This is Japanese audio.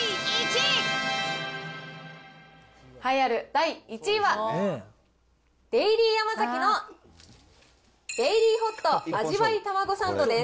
栄えある第１位は、デイリーヤマザキのデイリーホット味わいタマゴサンドです。